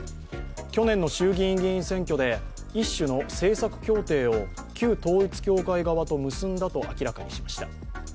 去年の衆議院議員選挙で一種の政策協定を旧統一教会側と結んだと明らかにしました。